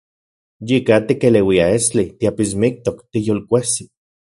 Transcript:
Yika tikeleuia estli, tiapismiktok, tiyolkuejsi.